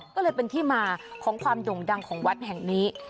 ก็เลยเป็นที่มาของความโด่งดังของวัดแห่งนี้